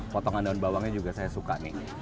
potongan daun bawangnya juga saya suka nih